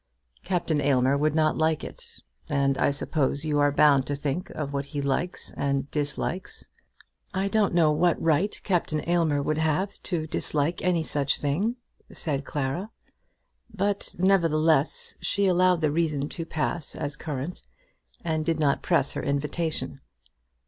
"Captain Aylmer would not like it, and I suppose you are bound to think of what he likes and dislikes." "I don't know what right Captain Aylmer would have to dislike any such thing," said Clara. But, nevertheless, she allowed the reason to pass as current, and did not press her invitation.